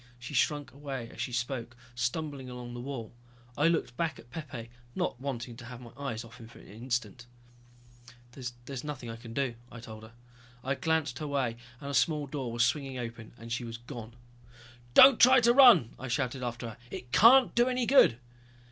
She shrunk away as she spoke, stumbling along the wall. I looked back at Pepe, not wanting to have my eyes off him for an instant. "There's nothing I can do," I told her. I glanced her way and a small door was swinging open and she was gone. "Don't try to run," I shouted after her, "it can't do any good!"